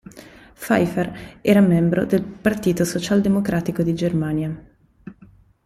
Pfeiffer era membro del Partito Socialdemocratico di Germania.